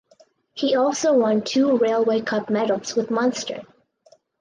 He also won two Railway Cup medals with Munster.